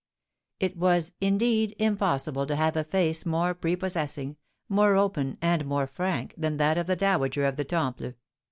It was, indeed, impossible to have a face more prepossessing, more open, and more frank than that of the dowager of the Temple.